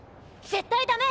絶対ダメ！！